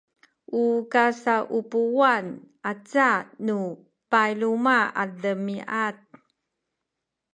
u kasaupuwan aca nu payluma’ a demiad